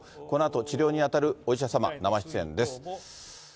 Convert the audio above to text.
このあと治療に当たるお医者様、生出演です。